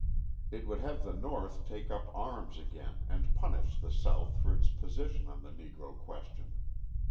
It would have the North take up arms again and punish the South for its position on the Negro question!